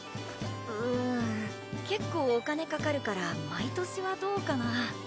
うん結構お金かかるから毎年はどうかなあ